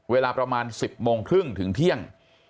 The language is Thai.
เวลาประมาณ๑๐โมงครึ่งถึงเที่ยง